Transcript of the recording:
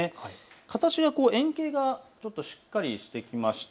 形は円形がしっかりしてきました。